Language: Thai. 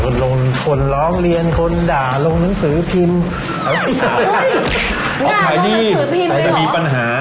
คนนั้นคุณคนล้องเรียนคนด่าลงมันสื่อพิมพ์